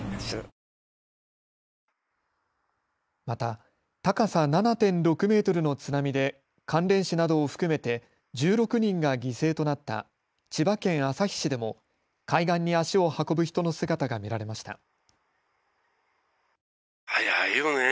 また高さ７．６メートルの津波で関連死などを含めて１６人が犠牲となった千葉県旭市でも海岸に足を運ぶ人の姿が見られました。